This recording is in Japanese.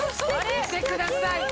見てください。